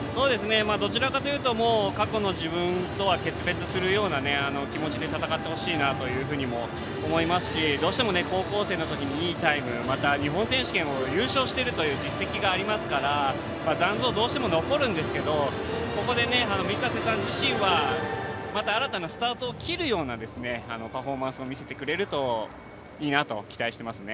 どちらかというと過去の自分とは決別するような気持ちで戦ってほしいなと思いますしどうしても高校生のときにいいタイムまた日本選手権を優勝しているという実績がありますから残像がどうしても残るんですがここで御家瀬さん自身はまた新たなスタートを切るようなパフォーマンスを見せてくれるといいなと思います。